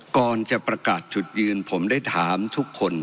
ก่อนจะประกาศจุดยืนผมได้ถามทุกคน